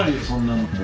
そんなの。